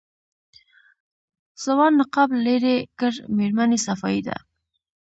ځوان نقاب لېرې کړ مېرمنې صفايي ده.